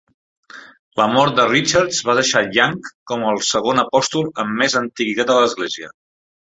La mort de Richards va deixar Young com al segon apòstol amb més antiguitat a l'església.